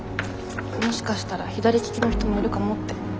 もしかしたら左利きの人もいるかもって。